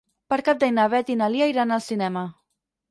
Per Cap d'Any na Beth i na Lia iran al cinema.